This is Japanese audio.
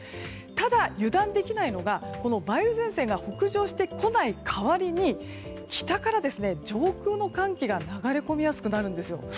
ただ、油断できないのが梅雨前線が北上してこない代わりに北から上空の寒気が流れ込みやすくなるんです。